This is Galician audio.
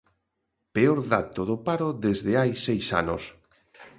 Peor dato do paro desde hai seis anos.